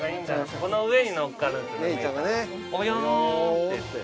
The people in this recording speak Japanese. この上に乗っかるんですよ。